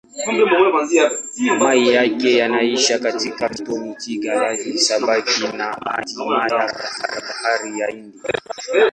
Maji yake yanaishia katika mto Athi-Galana-Sabaki na hatimaye katika Bahari ya Hindi.